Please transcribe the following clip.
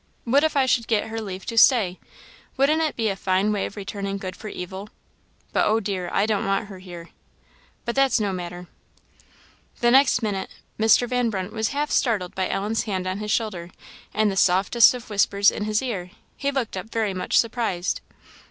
What if I should get her leave to stay? wouldn't it be a fine way of returning good for evil? But, O dear! I don't want her here! But that's no matter " The next minute, Mr. Van Brunt was half startled by Ellen's hand on his shoulder, and the softest of whispers in his ear. He looked up, very much surprised.